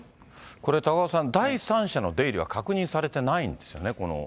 これ、高岡さん、第三者の出入りは確認されてないんですよね。